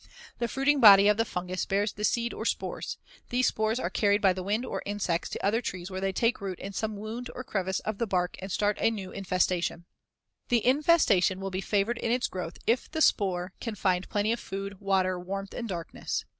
The fruiting body of the fungus bears the seed or spores. These spores are carried by the wind or insects to other trees where they take root in some wound or crevice of the bark and start a new infestation. [Illustration: FIG. 109. The Fruiting Body of a Fungus.] The infestation will be favored in its growth if the spore can find plenty of food, water, warmth and darkness.